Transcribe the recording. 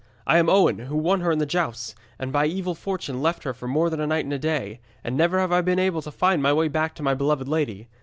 I am Owen, who won her in the jousts, and by evil fortune left her for more than a night and a day, and never have I been able to find my way back to my beloved lady.